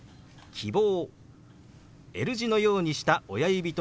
「希望」。